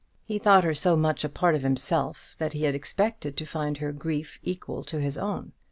He thought her so much a part of himself, that he had expected to find her grief equal to his own.